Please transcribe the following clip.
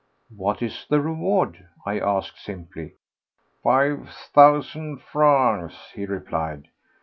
"What is the reward?" I asked simply. "Five thousand francs," he replied.